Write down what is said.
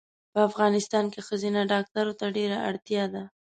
په افغانستان کې ښځېنه ډاکټرو ته ډېره اړتیا ده